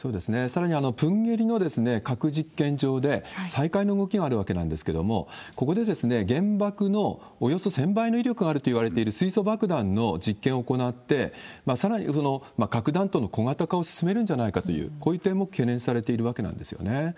さらに、プンゲリの核実験場で再開の動きがあるわけなんですけれども、ここで原爆のおよそ１０００倍の威力があるといわれている水素爆弾の実験を行って、さらに核弾頭の小型化を進めるんじゃないかという、こういう点も懸念されているわけなんですよね。